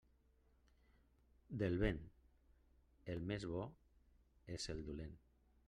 Del vent, el més bo és el dolent.